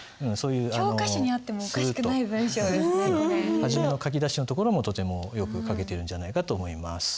初めの書き出しのところもとてもよく書けてるんじゃないかと思います。